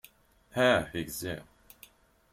Ah, gziɣ.